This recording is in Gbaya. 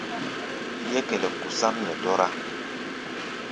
Yɛ́kɛlɛ gusáʼm nɛ dɔ́rá.